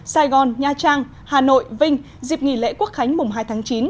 sài gòn nha trang hà nội vinh dịp nghỉ lễ quốc khánh mùng hai tháng chín